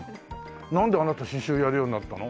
なんであなた刺繍やるようになったの？